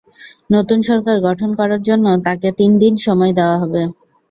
নতুন সরকার গঠন করার জন্য তাঁকে তিন দিন সময় দেওয়া হবে।